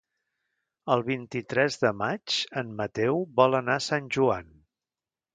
El vint-i-tres de maig en Mateu vol anar a Sant Joan.